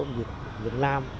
nhân dân của việt nam